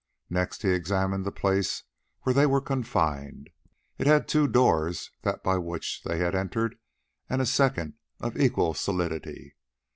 Next he examined the place where they were confined. It had two doors, that by which they had entered and a second of equal solidity.